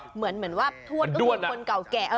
เหมือนว่าถวดฮึนคนเก่าแก่